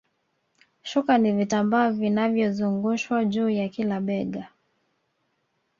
Shuka ni vitambaa vinavyozungushwa juu ya kila bega